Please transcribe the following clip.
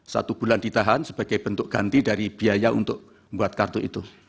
satu bulan ditahan sebagai bentuk ganti dari biaya untuk membuat kartu itu